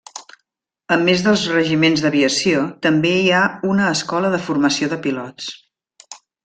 A més dels regiments d'aviació, també hi ha una Escola de Formació de Pilots.